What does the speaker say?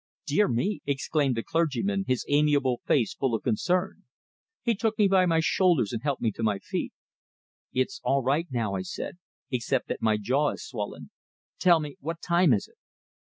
"Dear me!" exclaimed the clergyman, his amiable face full of concern. He took me by my shoulders and helped me to my feet. "I'm all right now," I said "except that my jaw is swollen. Tell me, what time is it?"